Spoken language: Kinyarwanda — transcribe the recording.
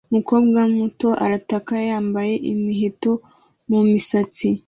Umukobwa muto arataka yambaye imiheto mumisatsi